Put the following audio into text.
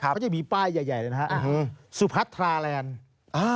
เขาจะมีป้ายใหญ่ใหญ่เลยนะฮะสุพัทราแลนด์อ่า